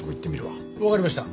わかりました。